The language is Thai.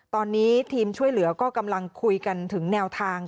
ตอนนี้ทีมช่วยเหลือก็กำลังคุยกันถึงแนวทาง